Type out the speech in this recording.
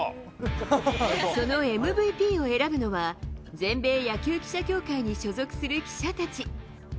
そのＭＶＰを選ぶのは、全米野球記者協会に所属する記者たち。